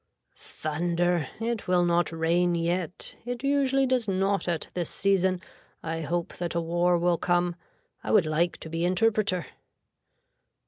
Thunder. It will not rain yet. It usually does not at this season. I hope that a war will come. I would like to be interpreter.